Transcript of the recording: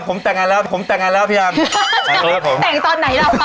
อ้อผมแต่งอันแล้วผมแต่งอันแล้วพี่อังแต่งตอนไหนแล้ว